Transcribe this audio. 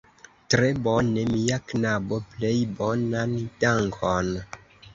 Tre bone, mia knabo, plej bonan dankon!